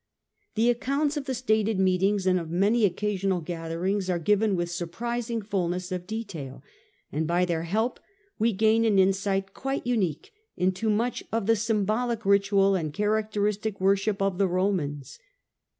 The accounts of the stated meetings and of many occasional gatherings are given with surprising fulness describing of detail, and by their help we gain an insight in quite unique into much of the symbolic ritual detail, and characteristic worship of the Romans.